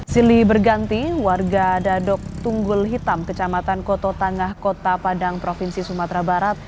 sili berganti warga dadok tunggul hitam kecamatan koto tangah kota padang provinsi sumatera barat